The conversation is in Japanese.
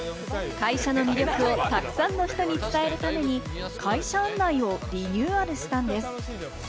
会社の魅力をたくさんの人に伝えるために会社案内をリニューアルしたんです。